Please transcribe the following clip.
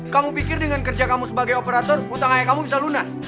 kamu pikir dengan kerja kamu sebagai operator utang ayah kamu bisa lunas